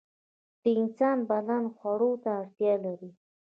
د انسان بدن خوړو ته اړتیا لري.